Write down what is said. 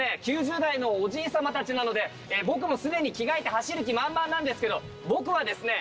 ９０代のおじいさまたちなので僕も既に着替えて走る気満々なんですけど僕はですね